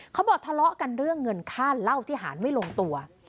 ทะเลาะกันเรื่องเงินค่าเหล้าที่หารไม่ลงตัว